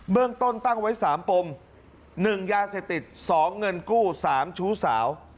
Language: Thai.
เบื้องต้นตั้งไว้สามปมหนึ่งยาเสพติดสองเงินกู้สามชู้สาว